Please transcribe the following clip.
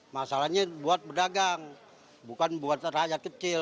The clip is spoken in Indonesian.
masalahnya buat berdagang bukan buat rakyat kecil